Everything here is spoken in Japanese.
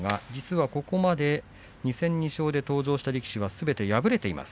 ここまで２戦２勝で登場した力士はすべて敗れています。